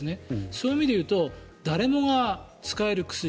そういう意味で言うと誰もが使える薬